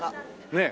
ねえ。